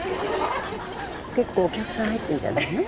結構お客さん入ってるじゃないの。